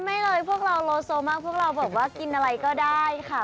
ไม่เลยพวกเราโลโซมากพวกเราแบบว่ากินอะไรก็ได้ค่ะ